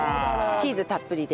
チーズたっぷりで。